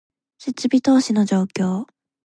設備投資の状況